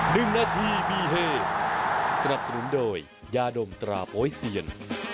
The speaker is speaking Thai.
หนึ่งนาทีมีเฮสนับสนุนโดยยาดมตราโป๊ยเซียน